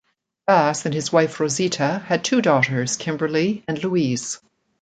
Bass and his wife, Rosita, had two daughters, Kimberly and Louise.